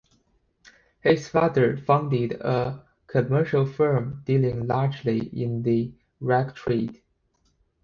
His father founded a commercial firm dealing largely in the "rag trade".